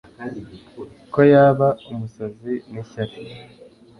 ko yaba umusazi nishyari